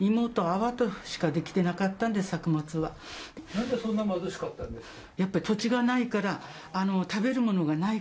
何でそんな貧しかったんですか？